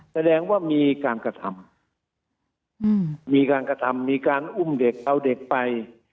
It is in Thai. แสดงว่ามีการกระทำมีการกระทำมีการอุ้มเด็กเอาเด็กไป